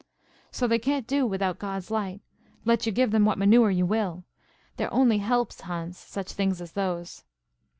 "So they can't do without God's light, let you give them what manure you will. They're only helps, Hans, such things as those."